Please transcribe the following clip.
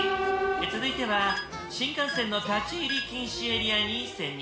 続いては新幹線の立ち入り禁止エリアに潜入